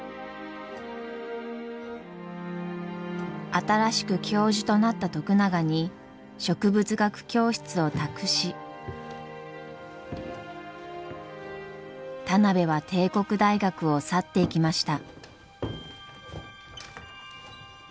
新しく教授となった徳永に植物学教室を託し田邊は帝国大学を去っていきました。